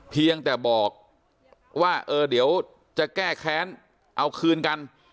เพียงแต่บอกว่าเออเดี๋ยวจะแก้แค้นเอาคืนกัน